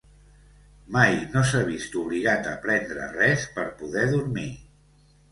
Mai no s'ha vist obligat a prendre res per poder dormir.